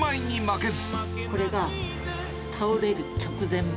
これが倒れる直前。